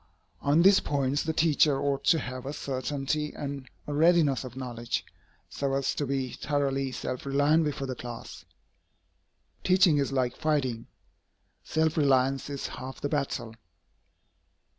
On these points the teacher ought to have a certainty and a readiness of knowledge, so as to be thoroughly self reliant before the class. Teaching is like fighting. Self reliance is half the battle.